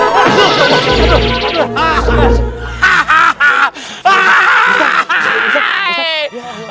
ruh gue sakit ruh gue sakit